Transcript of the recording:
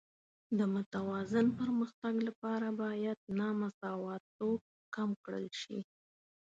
د متوازن پرمختګ لپاره باید نامساواتوب کم کړل شي.